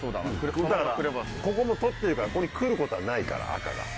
ここもう取ってるからここに来ることはないから赤が。